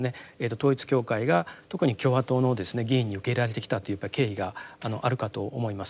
統一教会が特に共和党の議員に受け入れられてきたという経緯があるかと思います。